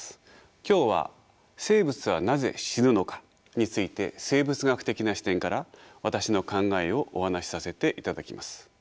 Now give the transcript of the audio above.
今日は生物はなぜ死ぬのかについて生物学的な視点から私の考えをお話しさせていただきます。